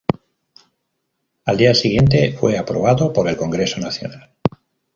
Al día siguiente fue aprobado por el Congreso Nacional.